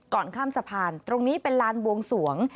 ก่อนข้ามสะพานตรงนี้เป็นลานบวงสวง